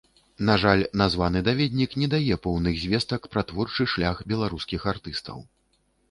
На жаль, названы даведнік не дае поўных звестак пра творчы шлях беларускіх артыстаў.